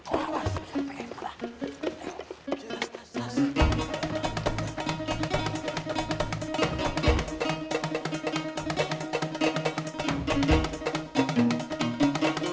kok membuka begini